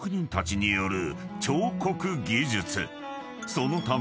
［そのため］